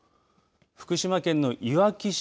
福島県のいわき市